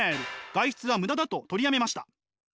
外出はムダだと取りやめました。